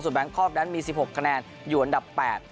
ส่วนแบงค์ครอบครั้งนั้นมีสิบหกคะแนนอยู่อันดับแปด